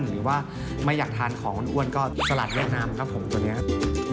หรือว่าไม่อยากทานของอ้วนก็สลัดแนะนำครับผมตัวนี้ครับ